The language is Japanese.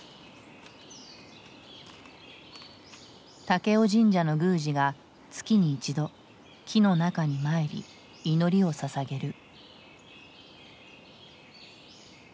武雄神社の宮司が月に一度木の中に参り祈りをささげる。